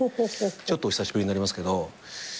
ちょっとお久しぶりになりますけど。